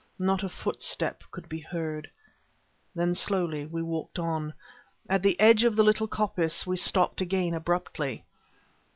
Not a footstep could be heard. Then slowly we walked on. At the edge of the little coppice we stopped again abruptly.